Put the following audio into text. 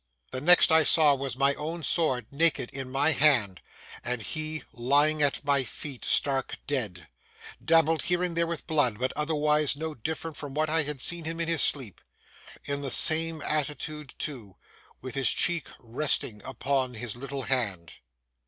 The next I saw was my own sword naked in my hand, and he lying at my feet stark dead,—dabbled here and there with blood, but otherwise no different from what I had seen him in his sleep—in the same attitude too, with his cheek resting upon his little hand.